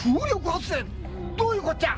どういうこっちゃ？